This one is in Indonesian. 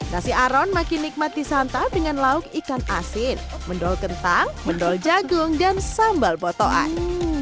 nasi aron makin nikmat disantap dengan lauk ikan asin mendol kentang mendol jagung dan sambal botoan